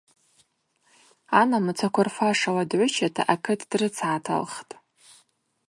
Анамыцаква рфашала дгӏвычата акыт дрыцгӏаталхтӏ.